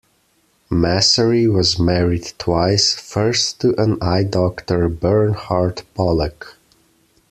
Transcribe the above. Massary was married twice, first to an eye doctor Bernhard Pollack.